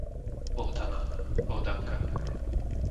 Bohdana, Bohdanka